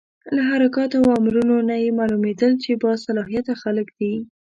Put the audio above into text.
له حرکاتو او امرونو نه یې معلومېدل چې با صلاحیته خلک دي.